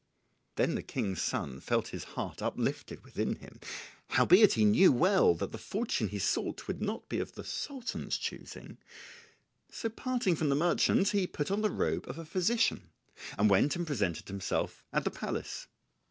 Then the King's son felt his heart uplifted within him, howbeit he knew well that the fortune he sought would not be of the Sultan's choosing; so parting from the merchant, he put on the robe of a physician, and went and presented himself at the palace.